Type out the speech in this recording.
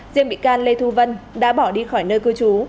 riêng bị can lê thu vân đã bỏ đi khỏi nơi cư trú